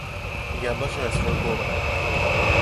Я обожаю свой город